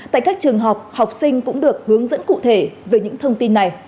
tại các trường học học sinh cũng được hướng dẫn cụ thể về những thông tin này